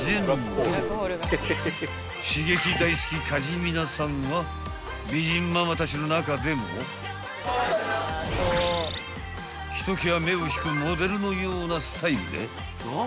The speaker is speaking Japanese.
［刺激大好きかじみなさんは美人ママたちの中でも］［ひときわ目を引くモデルのようなスタイルで］